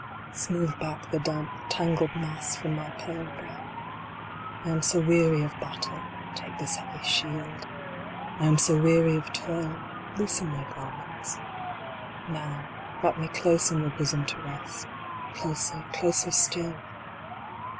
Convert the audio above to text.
Smooth back the damp, tangled mass from my pale brow. I am so weary of battle Take this heavy shield. I am so weary of toil Loosen my garments. Now, wrap me close in your bosom to rest Closer closer still